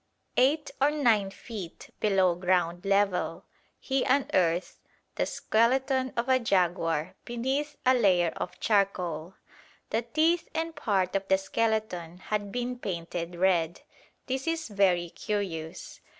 Eight or nine feet below ground level he unearthed the skeleton of a jaguar beneath a layer of charcoal. The teeth and part of the skeleton had been painted red. This is very curious.